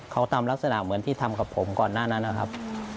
เขาทำลักษณะเหมือนที่ทำกับผมก่อนหน้านั้นนะครับ